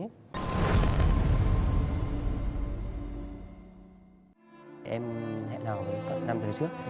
em hẹn hò năm giờ trước